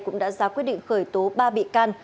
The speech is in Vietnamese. cũng đã ra quyết định khởi tố ba bị can